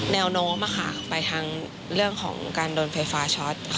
แนวโน้มไปทางเรื่องของการโดนไฟฟ้าช็อต